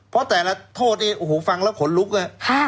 เพราะแต่ละโทษนี่โอ้โหฟังแล้วขนลุกอะ